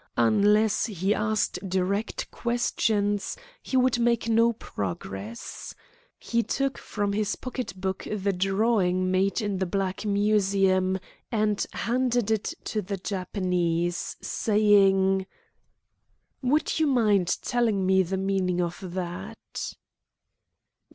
Unless he asked direct questions he would make no progress. He took from his pocket book the drawing made in the Black Museum, and handed it to the Japanese, saying: "Would you mind telling me the meaning of that?"